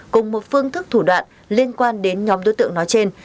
cùng một phương thức thủ đoạn liên quan đến nhóm đối tượng nói trên